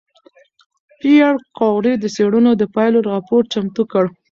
پېیر کوري د څېړنو د پایلو راپور چمتو کړ.